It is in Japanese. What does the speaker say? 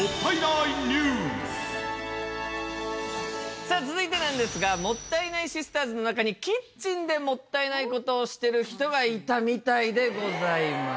さあ続いてなんですがもったいないシスターズの中にキッチンでもったいない事をしている人がいたみたいでございます。